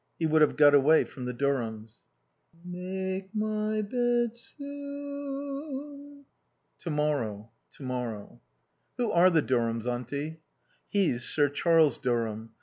He would have got away from the Durhams. ..."'make my bed soon...'" To morrow. To morrow. "Who are the Durhams, Auntie?" "He's Sir Charles Durham.